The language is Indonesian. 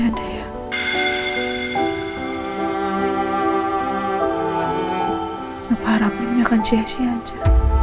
apa harapannya akan sia sia aja